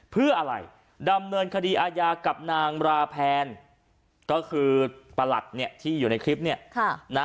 เพื่ออะไรดำเนินคดีอาญากับนางราแพนก็คือประหลัดเนี่ยที่อยู่ในคลิปเนี่ยนะ